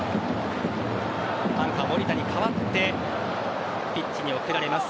守田に代わってピッチに送られます。